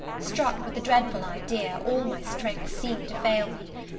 Struck with the dreadful idea, all my strength seemed to fail me.